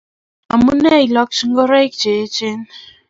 Amune ilochi ingoroik che echen.